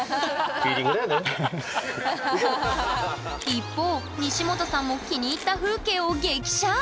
一方西本さんも気に入った風景を激写！